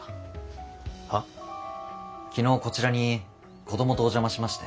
昨日こちらに子供とお邪魔しまして。